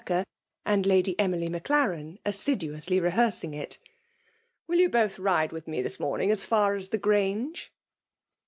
SSI soxka, and Lady Emily Madarcn assiduously Teheanring it. " WiU you both ride vith me this morning as far as the Grange